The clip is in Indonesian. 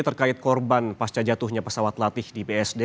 terkait korban pasca jatuhnya pesawat latih di bsd